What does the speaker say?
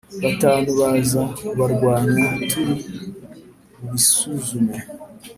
batanu baza kubarwanya Turi bubisuzume